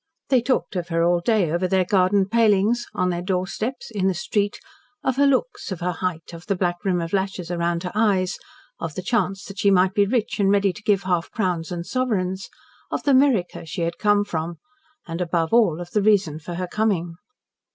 They talked of her all day over their garden palings, on their doorsteps, in the street; of her looks, of her height, of the black rim of lashes round her eyes, of the chance that she might be rich and ready to give half crowns and sovereigns, of the "Meriker" she had come from, and above all of the reason for her coming.